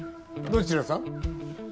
どちらさん？